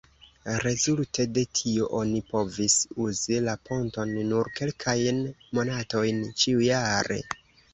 Rezulte de tio, oni povis uzi la ponton nur kelkajn monatojn ĉiujare.